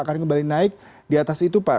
akan kembali naik di atas itu pak